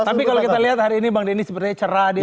tapi kalau kita lihat hari ini bang denny sepertinya cerah di